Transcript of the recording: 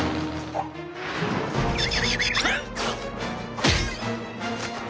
あっ！